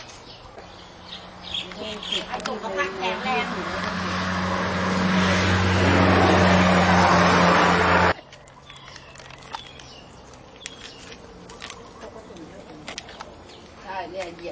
ซุปตูมหักแดดเมื่อเข้าได้